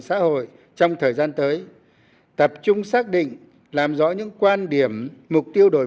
xã hội trong thời gian tới tập trung xác định làm rõ những quan điểm mục tiêu đổi